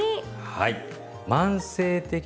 はい。